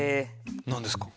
何ですか？